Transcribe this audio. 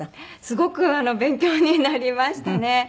すごく勉強になりましたね。